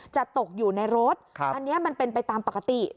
จะตกอยู่ในรถอันนี้มันเป็นไปตามปกติ